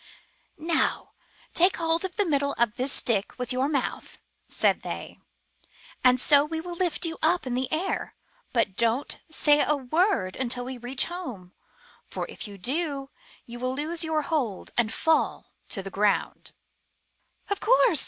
Now take hold of the middle of this stick with your mouth," said they, ''and so we will lift you up in the air. But don't say a word until we reach home, for, if you do, you will lose your hold and fall to the ground." ''Of course